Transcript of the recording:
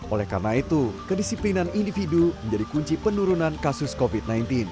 oleh karena itu kedisiplinan individu menjadi kunci penurunan kasus covid sembilan belas